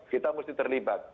kita mesti terlibat